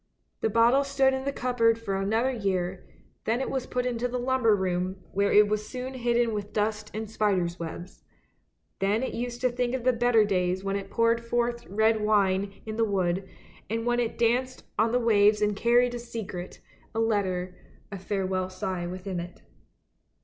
The' bottle stood in the cupboard for another year, then it was put into the lumber room, where it was soon hidden with dust and spider's webs; then it used to think of the better days when it poured forth red wine in the wood, and when it danced on the waves and carried a secret, a letter, a farewell sigh within it.